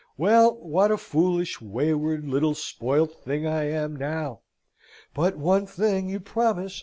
Well, what a foolish, wayward, little spoilt thing I am now! But one thing you promise.